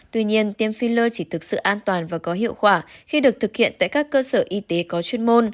tuy nhiên tiêm filler chỉ thực sự an toàn và có hiệu quả khi được thực hiện tại các cơ sở y tế có chuyên môn